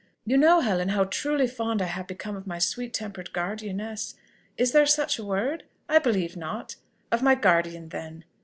You know, Helen, how truly fond I have become of my sweet tempered guardianess. Is there such a word? I believe not; of my guardian, then.